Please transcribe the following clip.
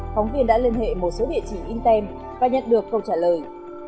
phóng viên đã liên hệ một số địa chỉ in tem và nhận được câu trả lời